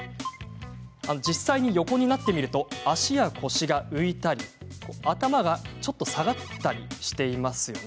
実際に横になってみると足や腰が浮いたり頭がちょっと下がったりしていますよね。